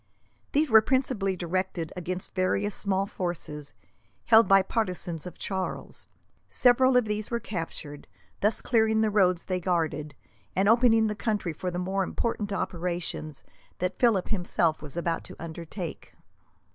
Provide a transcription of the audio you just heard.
These were principally directed against various small fortresses, held by partisans of Charles. Several of these were captured, thus clearing the roads they guarded, and opening the country for the more important operations that Philip himself was about to undertake.